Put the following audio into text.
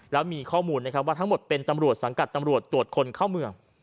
แล้วมีข้อมูลนะครับว่าทั้งหมดเป็นตำรวจสังกัดตำรวจตรวจคนเข้าเมือง